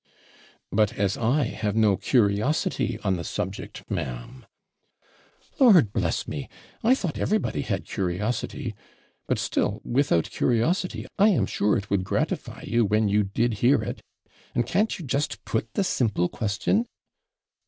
'But as I have no curiosity on the subject, ma'am ' 'Lord bless me! I thought everybody had curiosity. But still, without curiosity, I am sure it would gratify you when you did hear it; and can't you just put the simple question?'